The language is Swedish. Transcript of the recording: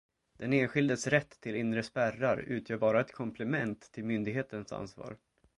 Den enskildes rätt till inre spärrar utgör bara ett komplement till myndighetens ansvar.